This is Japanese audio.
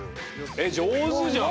えっ上手じゃん！